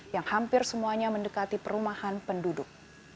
yang hampir semuanya mendekati perumahan penduduk